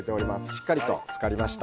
しっかりと漬かりました。